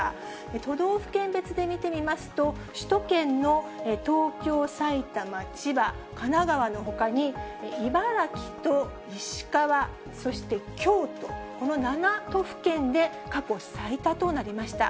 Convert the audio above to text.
都道府県別で見てみますと、首都圏の東京、埼玉、千葉、神奈川のほかに、茨城と石川、そして京都、この７都府県で過去最多となりました。